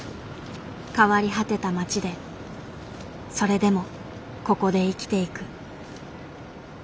変わり果てた町でそれでもここで生きていく。